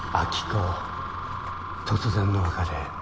暁子突然の別れ